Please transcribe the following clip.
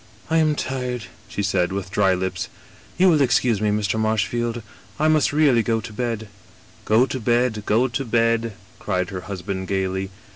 "* I am tired,' she said, with dry lips. * You will excuse me, Mr. Marshfield, I must really go to bed.* "* Go to bed, go to bed,' cried her husband gayly.